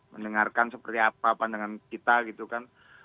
mendengarkan seperti apa pandangan kita gitu kan